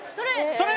それ！